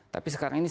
tapi sekarang ini